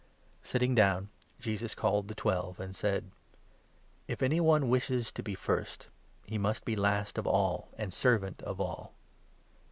Sitting down, Jesus called the Twelve and said : 35 " If any one wishes to be first, he must be last of all, and servant of all."